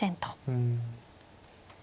うん。